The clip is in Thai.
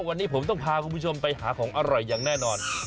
วันนี้ผมต้องพาคุณผู้ชมไปหาของอร่อยอย่างแน่นอน